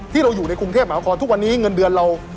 ที่เราอยู่ในกรุงเทพมหานครทุกวันนี้เงินเดือนเรา